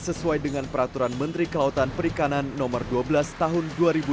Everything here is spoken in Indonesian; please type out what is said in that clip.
sesuai dengan peraturan menteri kelautan perikanan nomor dua belas tahun dua ribu dua puluh